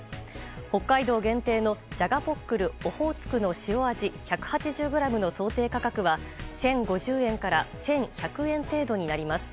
北海道限定のじゃがポックルオホーツクの塩味１８０ｇの想定価格は１０５０円から１１００円程度になります。